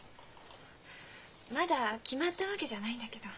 まだ決まったわけじゃないんだけど。